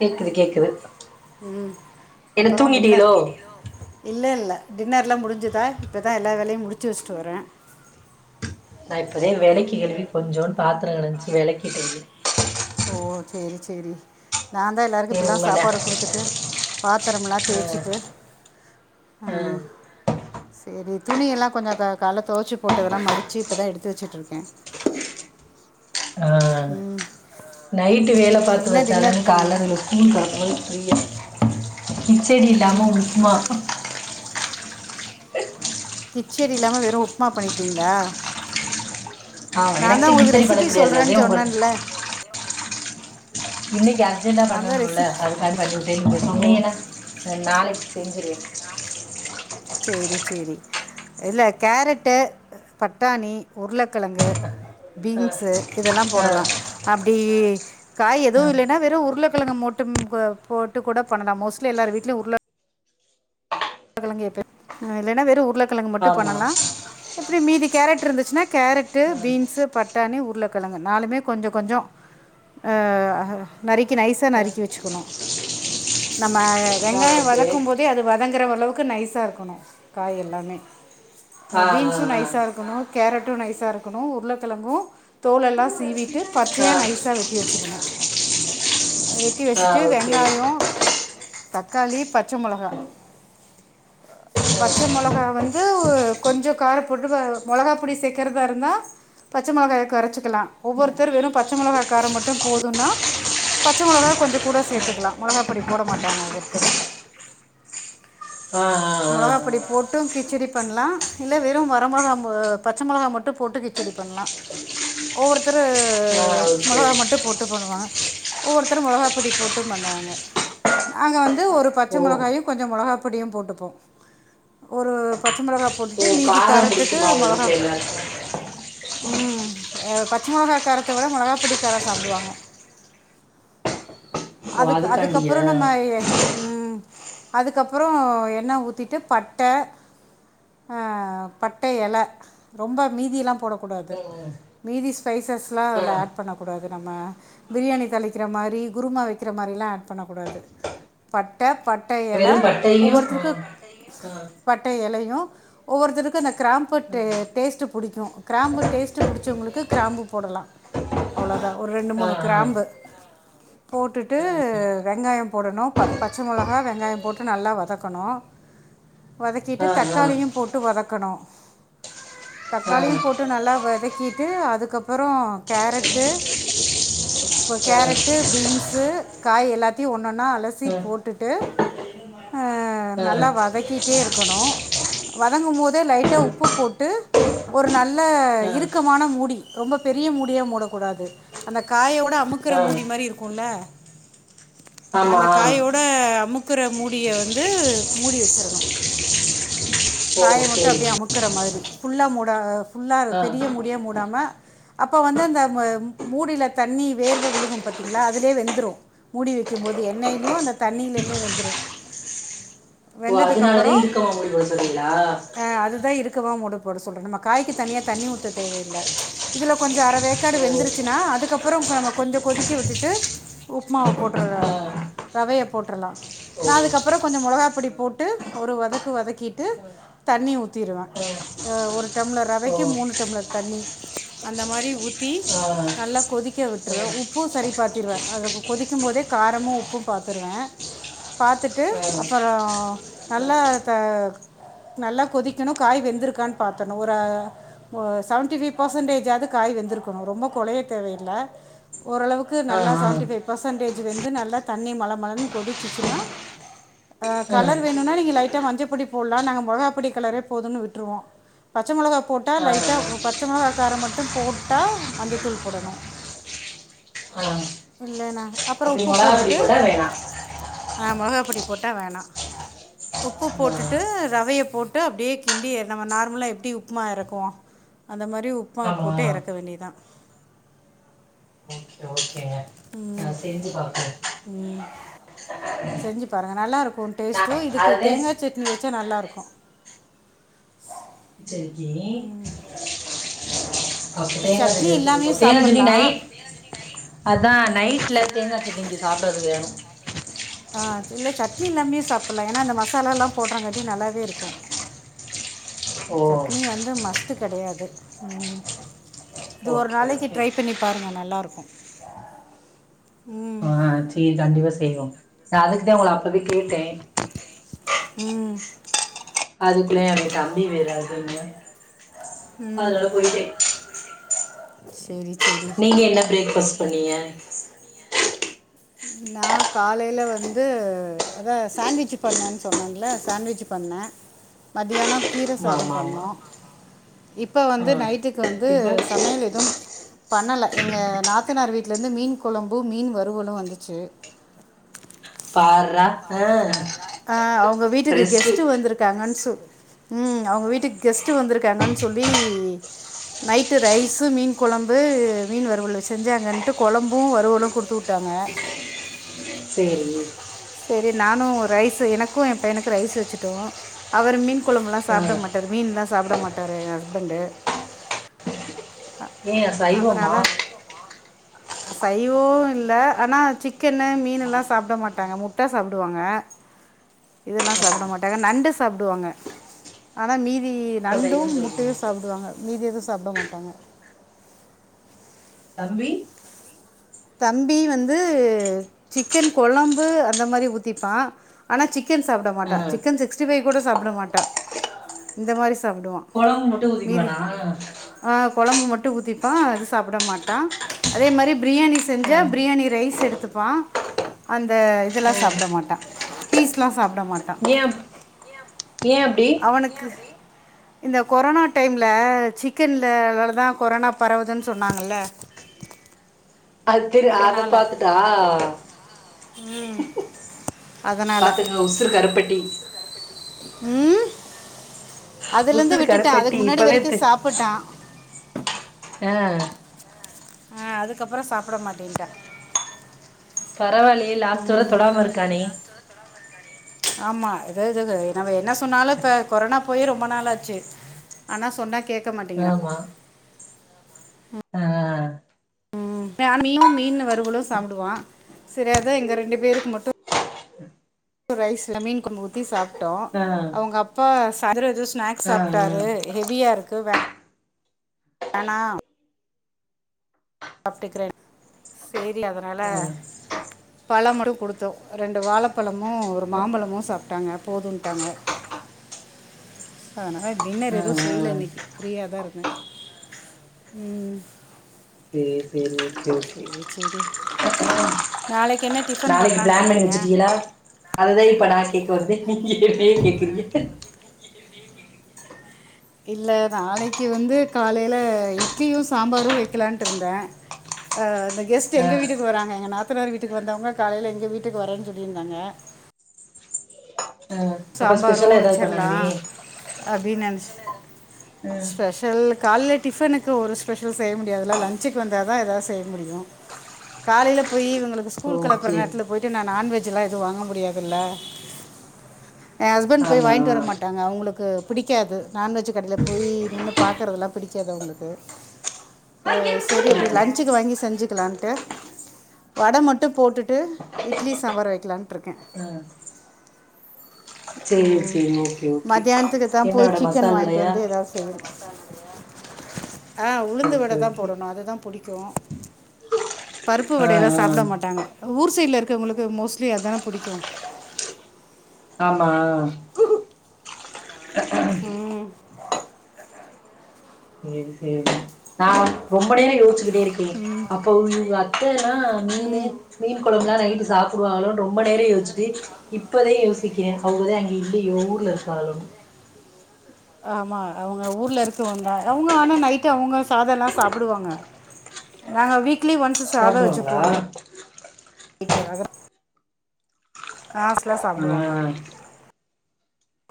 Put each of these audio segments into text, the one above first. கேக்குது கேக்குது உம் என்ன அப்புறம் டின்னர் தூங்கிட்டீகளோ இல்ல இல்ல டின்னர்லாம் முடிஞ்சதா இப்பதான் எல்லா வேலையும் முடிஞ் முடிச்சி வச்சிட்டு வரேன் நான் இப்போதே விளக்கி கழுவி கொஞ்சொண்ட்டு பாத்திரம் கெடந்துச்சி விளக்கி கழுவி ஓ செரி செரி நான் தான் எல்லோருக்கும் சரி இப்படிலாம் உங்கட சாப்பாடு குடுத்துட்டு பாத்திரமலாம் தேய்ச்சிட்டு ஆ சரி துணி எல்லாம் கொஞ்சம் கால துவச்சு போட்டதெல்லாம் மடிச்சி இப்பதான் எடுத்து வச்சுட்டு இருக்கேன் ஆ உம் நைட்டு வேலை பார்த்து வச்சாதானு பண்ணீங்க கால இதுல ஸ்கூல் [unintelligible] கிச்சடி இல்லாமல் ம் உப்மா கிச்சேடி இல்லாமல் வெறும் உப்புமா பண்ணிடிங்லா ஆஹ் எனக்குத்த கித்தரி பட கிடாது அதே உங்க சொன்னேன்ல இன்னக்கி அர்ஜென்ட்டா நான் தான் பண்ணணும்ல ரெசிபி அது காக பண்ணிட்டே [unintelligible] ஓ ஏன்னா நாளைக்கு செஞ்சுடுவேன் செரி செரி இல்ல கேரட்டு பட்டாணி உருளைக்கிழங்கு ஆ பீன்ஸ்சு இதெல்லாம் போடலாம் ஆ அப்டி காய் ஆ எதுவும் இல்லைன்னா வெறும் உருளைக்கிழங்க மட் ம் போ போட்டு கூட பண்ணலாம் மோஸ்ட்லி எல்லார் வீட்டலயு உருள உருளகிழங்கப்ப இலைன்னா வெறும் உர்ல கிழங்கு மட்டும் ஆமா பண்ணலாம் எப்படி மீதி கேரட் ட் இருந்துச்சுன்னா கேரட்டு ஆ பீன்ஸ்சு பட்டாணி உரு உருளக்கிழங்கு நளூமே கொஞ்சம் கொஞ்சம் ஹ நறுக்கி நைஸா ஆ நறுக்கி வச்சுக்கணும் நம்ம ஆ வெங்காயம் ஓகே வதக்கும் போதே அது வதங் இருக்கிற அளவுக்கு நைஸா இருக்கணும் காய் எல்லாமே ஆ பீன்ஸும் ஆ நைஸா இருக்கணும் கேரட் ட்டும் நைஸ்சா இருக்கணும் உருளக்கெழங்கும் தோலெல்லாம் சீவிட்டு ஆ பச்சையா ஆ நைஸா வெட்டி வச்சுக்கணும் வெட்டி ஆ வச்சிட்டு ஓகே வெங்காயம் தக் களி பச்ச மிளகா பச்ச மிளகா வந்து கொஞ்சம் கார போட்டு மிளகாப்ப பொடி சேர்க்கிறதா இருந்தா பச்ச மிளகாய குரைச்சுக்கலாம் ம் ஒவ்வொருத்தரும் வெறும் பச்ச மிளகா காரம் மட்டும் போதும்ன்னா பச்ச மிளகா கொஞ்சம் கூட சேர்த்துக்கலாம் மிளகாப்பொடி போட மாட்டாங்க ஒவ்வொருத்தரு ஆ ஆ ஆ மிளகா படி போட்டும் கிச்சடி பண்ணலாம் இல்ல வெறும் வர மிளகா பச்ச மிளகா மட்டும் போட்டு கிச்சடி பண்ணலாம் ஒவ்வொருத்தர் ஆ ஆ ஓகே மிளகா மட்டும் போட்டு பண்ணுவாங்க ஒவ்வொருத்தரும் மிளகா படி போட்டும் பண்ணுவாங்க நாங்க வந்து ஒரு பச்ச ஓ மிளகாயும் கொஞ்சம் மிளகா போடியும் போட்டுப்போம் ஒரு பச்ச மிளகா போட்டு ஓ மீதி காரம் காரத்துக்கு பிடிக்குமா உங்க மிளகா வீட்ல எல்லாருக்கும் ம் பச்ச மிளகா காரத்தவிட மிளகா பொடி காரம் சாப்படுவாங்க ஓ அதுக்கு அதுக்காண்டியா அதுக்கப்பறம் நம்ம ம் அதுக்கப்பறம் அப்பறம் எண்ணெய் ஊற்றிட்டு பட்ட பட்ட இல ரொம்ப மீதியெிலாம் போடக்கூடாது ம் மீதி ஸ்பைஸஸ்லாம் ஆ அதில் ஆட் பண்ணக்கூடாது நம்ம பிரியாணி தளிக்கிற மாரி குருமா வைக்கிற மாரிலாம் ஆட் பண்ணக்கூடாது பட்ட பட்ட பட்டயல வெறும் பட்டையும் ஒவ்வொருத்தருக்கு ம் ஆ பட்ட இலயும் ஒவ்வொருத்தருக்கும் அந்த கிராம்பு ஆ டேஸ்ட்டு பிடிக்கும் கிராம்பு டேஸ்ட்டு புடிச்சவங்களுக்கு கிராம்பு போடலாம் அவ்வளோதான் ஒரு ரெண்டு ஆ ஆ ஆ ஆ ஆ ஆ ஆ மூணு ஆ கிராம்பு போட்டுட்டு வெங்காயம் போடணும் பச்சமிளகா வெங்காயம் போட்டு நல்லா வதங் தக்கணும் வதக்கிட்டு தக்காளியும் போட்டு வதக்கணும் தக்காளியும் போட்டு நல்லா வதக்கிட்டு அதுக்கு அப்பறம் கேரட்டு பீன்ஸ்சு காய் எல்லாத்தையும் ஒன்னொன்னா அலசி போட்டுட்டு ஆ நல்லா வதக்கிட்டே இருக்கணும் வதங்கும் போதே லைட்டா உப்பு போட்டு ஒரு நல்ல ஆ இறுக்கமான மூடி ரொம்ப பெரிய மூடியா மூடக்கூடாது அந்த காயோட அமுக்கிற ஆ மூடி மாி இருக்கும் கொள்ள ஆமா அந்த காய்யோட அம்மு க்குற மூடி மூடிய வந்து மூடி வச்சிடணும் ஓ காய மட்டும் சரி அப்டியே அமுக்கிற மாரி ஃபுல்லாக மூட ஃபுல்லாக ஆ பெரிய மூடிய மூடாமல் அப்போ வந்து அந்த மூடியில தண்ணி வேர்வ விழுகும் பாத்தீங்களா அதுலே வெந்துடும் மூடி வைக்கும் போது எண்ணெய்லியும் அந்த தண்ணியிலமே வெந்துடும் அதனாலதான் வெந்ததுக்கப்புறம் இருக்கமா மூடி கொ சொல்றிங்களா க்குவாம் மூட போட சொல்றேன் நம்ம காய்க்க தனியா தண்ணி ஊத்த தேவயில்ல இதுல கொஞ்சம் அர வேக்காடு ஓ வெந்துருச்சுனா அதுக்கப்பறம் நம்ம கொஞ்சம் கொதிக்கி விட்டுட்டு உப்புமாவ ஆ போட்டுலாம் ரவய போட்டுரலாம் ஓ நான அதுக்கப்பறம் கொஞ்சம் மொளகா பொடி ஆ போட்டு ஒரு வதக்கு வதக்கிட்டு தண்ணி ஊற்றிடுவேன் ஆ ஆ ஒரு டம்ளர் ஓ ரவக்கு மூணு டம்ளர் தண்ணி அந்த மாரி ஊற்றி ஆ ஆ ஆ ஆ நல்லா கொதிக்க விட்டுருவேன் உப்பும் சரி பாத்திடுவேன் அது கொதிக்கும் போதே காரமும் உப்பும் பார்த்துருவேன் பாத்துட்டு அப்பறம் நல்லா த நல்லா கொதிக்கணும் காய் வெந்திருக்கான்னு பாத்தணும் ஒரு செவன்டிஃபைவ் பர்சன்டேஜ்ஜாவது காய் வெந்திருக்கணும் ரொம்ப குலய தேவையில்ல ஓரளவுக்கு நல்ல செவன்டிஃபைவ் பர்சன்டேஜ் வெந்து நல்லா தண்ணி மல மலன்னு கொதிச்சிச்சுனா ஹ் ஆ கலர் ஆ வேணும்னா நீங்க லைட்டா மஞ்ச பொடி போடலாம் நாங்க மிளகா பொடி கலரே போதும்ன்னு விட்டுருவோம் பச்ச மிளகா போட்டா ஆ லைட்டா பச்ச மிளகாக்காரம் மட்டும் போட்டா மஞ்சத்தூள் போடணும் ஆ இல்ல னா அப்பறம் அப்படி உப்பு மிளகா பொடி போட்டுட்டு போட்டால் வேணாம் ஹ மிளகா பொடி போட்டா வேணாம் உப்பு ஆ போட்டுட்டு ரவைய போட்டு அப்டியே கிண்டி நம்ம நார்மலா எப்டி உப்புமா இறக்குவோம் அந்த மாரி உப்புமா போட்டு ஆமாம் இறக்க வேண்டியதான் ஓகே ஓகேங்க ம் நான் செஞ்சு பார்க்குறேன் ம் செஞ்சு பாருங்க நல்லா இருக்கும் டேஸ் ஸோ நான் இதுக்கு அதே தேங்கா சட்னி வச்ச ச்ச நல்லா இருக்கும் செரி ஜெனி [inaudible] தேங்க சட்னி இல்லாமயு தேங்க தனி சாப்பட்லா நைட் அதான் நைட் வீட்டில தேங்காய சட்னி இங்க சாப்படுவதற்கு வேணும் ஆ இல்ல சட்னி இல்லாமே சாப்பட்லாம் ஏன்னா அந்த மசாலல்லாம் போடுறாங்காட்டி நல்லாவே இருக்கும் ஓ சட்னி வந்து மஸ்ட் கெடையாது உம் இது ஒரு ஓகே நாளைக்கு ஓகே ட்ரை பண்ணி பாருங்க நல்லா இருக்கும் [inaudible] ஆஹ செர் கண்டிப்பா செய்வோம் நான் அதுக்குதான் உங்களை அப்பவே கேட்டேன் உம் அதுக்குள்ள எங்க தம்பி வேற அதுங்க ஆஹ போயிட்டே செரி நீங்க என்ன பிரேக் ஃபாஸ்ட் பண்ணிங்க நான் காலையில வந்து அதான் சாண்ட்விச் பண்ணிணேன் சொன்னேன்ல சாண்ட்விச் பண்ண மதியானம் கீரை ஆமா சாதம் ஆமா ஆமா பண்ணோம் இப்ப வந்து ஆ நைட்டுக்கு வந்து இப்ப சமையல் எதுவும் பண்ணல எங்க நாத்தனார் வீட்ல இருந்து மீன் குழம்பு மீன் வருவலும் வந்து இருக்கு செர் பார்றா ஆ ஆஹ் அவங்க வீட்டுக்கு ரெஸ்ட்டு கெஸ்ட் வந்திருக்காங்கன்னு சொல்லி ம் அவங்க வீட்டுக்கு கெஸ்ட் வந்திருக்காங்கன்னு சொல்லி நைட்டு ரைஸ் மீன் குழம்பு மீன் வருவல் செஞ்சாகன்ட்டு குழம்பும் வறுவலும் கொடுத்து விட்டாங்க செரி செரி நானும் ரைஸ் எனக்கும் என் பையனுக்கும் ரைஸ் வச்சுட்டோம் அவர் மீன் குளம்பெல்லாம் ஆ சாப்பிட மாட்டார் மீனலாம் சாப்பிட மாட் மாட்டரு எ ஹஸ்பண்ட் ஏ சைவமா சைவோம் இல்ல ஆனா சிக்கன்னு மீன் எல்லாம் சாப்பிட மாட்டாங்க முட் முட்டை சாப்பிடுவாங்க ஆ இதெல்லாம் சாப்பிட மாட்டாங்க நண்டு சாப்பிடுவாங்க ஆன மீதி அப்ப நண்டும் சைவம் முட்டையும் சொல்லுங்க சாப்பிடுவாங்க மீதி எதுவும் சாப்பிட மாட்டாங்க தம்பி தம்பி வந்து சிக்கன் கொழம்பு அந்த மாதிரி ஊற்றிப்பான் ஆனால் சிக்கன் சாப்பிட மாட்டேன் ஆ சிக்கன் சிக்ஸ்டி ஃபைவ் கூட சாப்பிட மாட்டேன் இந்த மாதிரி சாப்பிடுவான் கொழம்பு மட்டும் மீதி உத்திக்குவானா ஆ குழம்பு மட்டும் ஊத்திப்ப அது சாப்பிட மாட்டான் அதே மாதிரி பிரியாணி செஞ்சா ஆ பிரியாணி ரைஸ் எடுத்துப்பான் அந்த இதெல்லாம் ஆ சாப்பிட மாட்டான் பீஸ்ல்லாம் சாப்பிட சாப்ட மாட்டா ஏன் ஏன் அப்படி அவனுக்கு இந்த கொரோனா டைம்ல சிக்கன்லதான் கொரோனா பரவுதுன்னு சொன்னாங்கல்ல அது சரி அத அதனால் பாத்துட்டா ம் அதனால் பாத்துங்க உசர் கருப்பட்டி உம் அதுல இருந்து உசுரு விட்டுட்டேன் அதுக்கு கருப்பட்டி முன்னாடி இப்பவே வரைக்கும் சாப்பிட்டான் ஆஹ் ஆஹ் அதுக்கப்புறம் சாப்பிட மாட்டேன்ட்டா பரவாயலையே லாஸ்ட் வர தொடாம இருக்கானே ஆமா எதாவது க நம்ம என்ன ஸ் உன்னால இப்ப கொரானா போய்ரோம் ரொம்ப நாள் ஆச்சி ஆனா சொன்னா கேக் க்க மாட்டேங்கிறான் ஆஹ் ஃபேமியும் மீன் வறுவலும் சாப்புடுவான் சரி அதான் எங்கள் ரெண்டு பேருக்கு மட்டும் ரைஸ்ல மீன் கொழம்பு ஊத்தி சாப் டோ ஆ அவங்க அப்பா பதர ஜுஸ் ஸ்நாக்ஸ் ஆ சாப்டாரு ஆ ஹெவியா இருக்கு வே வேணா சாப்ட்டுக்கிறேன் தெரில அதனால ஆ பல மறு கொடுத்தோம் ரெண்டு வாலைப்பலம் மும் ஒரு மாம்பலமும் சாப் டாங்க போதுண்டாங்க அதனால டின்னர் ஆ எதுவும் செய்யில இன்னைக்கு ஃப்ரீயா தான் இருக் உம் சேர் செரி சரி நாளைக்கு என்ன டிஃபன் நாளைக்கு பண்ணலான்ட்டு பிளான் பண்ணி இருக்கீங்க வச்சிடிகளா அத தான் இப்ப நான் கேக்க வந்தேன் என்னேய கேக்கிறீங்க இல்ல நாளைக்கு வந்து காலையில இட்லியும் சாம்பாரும் வைக்கலான்ட்டு இருந்தேன் அ இந்த கெஸ்ட் ஆ எங்க வீட்டுக்கு வராங்க எங்க நாத்தனார் வீட்டுக்கு வந்தவங்க காலையில எங்க வீட்டுக்கு வரேன்னு சொல்லிருந்தாங்க ஆ அப்ப சாம்பாரும் ஸ்பெஷலா ஏதாவது பண்ணணுமே வச்சர்லாம் அப்டி நெனச் ம் ஸ்பெஷல் காலைல டிபனுக்கு ஒரு ஸ்பெஷல் செய்ய முடியதுல லஞ்சுக்கு வந்த தான் ஏதாவது செய்ய முடியும் காலையில போய் அவனுக்கு ஸ்கூல் ஓ கெலப்புர சேரி நேரத்துல போயிட்டு நான் நான்வெஜ் இதுலாம் எதுவும் வாங்க முடியாதுல்ல என் ஹஸ்பண்ட் போய் ஆமா வாய்ன்ட்டு வரமாட்டங்க அவங்களுக்கு க்கு புடிக்காது நான்வெஜ் கடையில போய் நின்னு பாக்கிறதெல்லாம் புடிக்காது அவங்களுக்கு செரி அப்டி லஞ்ச்சிக்கு வாங்கி செஞ்சுகலான்டு வட மட்டும் போட்டுட்டு இட்லி சாம்பார் வைக்கலான்ட்டுற்று இருக்கேன் ஆ சேரி உம் சேரி ஓகே ஓகே மத்தியானத்துக்குத்தான் என்ன போய் வட சிக்கன் மசால் வாங்கிட்டு வடையா வந்து எதாவது செய்யணு [inaudible] ஆ உளுந்து வட ஓகே தான் ஓகே போடணும் அது தான் புடிக் கோம் பருப்பு ஆ வடையல்லாம் சாப்பட ஆ மாட்டாங்க ஊர் சைட்ல இருக் [unintelligible] மோஸ்ட்லி அதான புடிக்கும் ஆமா உம் செரி செரி நான் ரொம்ப நேரம் யோஸ்ச்சுகிட் இருக்கே அப்போ இவங்க அத்தையேல்ல மீனு ம் மீன் குழங்பளா நைட்டு சாப்பிடுவாங்களோ ரொம்ப நெரம் யோசிச்சு [unintelligible] இப்பதே யோஸ் திக்கி அவுங்தா இங்கில்லயே ஊர்ல இக்காலோ ஆமா அவுங்க ஊர்ல இருக்கரவுங்க அவுங்க ஆனா நைட்டு அவுங்க சாதலா சாப்புடுவாங்க நாங்க வீக் லி ஒன்ஸ் சாத சாப்டுவாங்களா வச்சுப்போ நைட் [unintelligible] பாஸ்டா ஆ சாப்டுவாங்க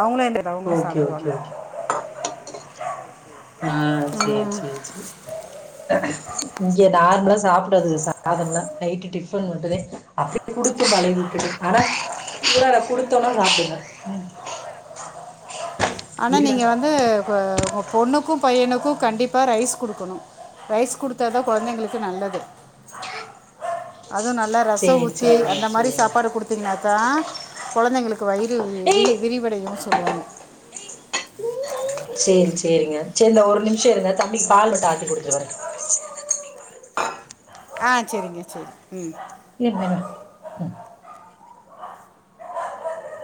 அவுங்களே எந்த்ரி அவுங்லே ஓகே ஓகே சாப்டுவாங்க ஆஹ் சேரி சேரி சேரி இங்க நார்ம்லா சாப்படதுக்கு சாதம்லா நைட்டு டிபன் மட்டுதே அப்டி குடுத்து பழகிவுட்டுட்டு ஆனா குடுத்தோனா சாப்டுங்க ஆனா இருடா நீங்க வந்து ப பொண்ணுக்கு பையனுக் கு கண்டிப்பா ரைஸ் குடுக்கணு ரைஸ் குடுத்தா தா கொழந்தைங்களுக்கு நல்லது அதுவு நல்லா ரச சேரி ஊத்தி சேரிங்க அந்த மாரி சேரிங்க சாப்பாடு குடுத்தீங்கனா தா கொழந்தைங்களுக்கு வயிறு து வி ஏய் விரிவடயு சொல்வாங்க [unintelligible] சேரி சேரிங்க சேரிந்த ஒரு நி சேருந்த தம்பிக்கு பால் மட்டும் ஆத்தி கொடுத்துட்டுவரே ஹ சேரிங்க சேரி உம் [unintelligible]